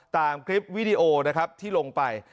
ตามคลิปวิดีโอนะครับที่ลงไป